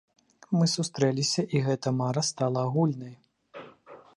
Мы сустрэліся, і гэтая мара стала агульнай.